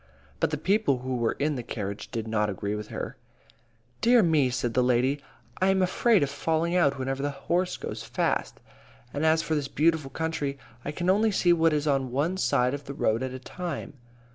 But the people who were in the carriage did not agree with her. "Dear me!" said the lady, "I'm afraid of falling out whenever the horse goes fast. And as for this beautiful country, I can only see what is on one side of the road at a time."